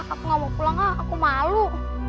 aku nggak mau pulang lah aku malu